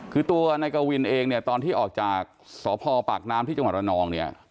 คือตัวนักกระวินเองตอนที่ออกจากสพปากน้ำที่จังหวัดระนอง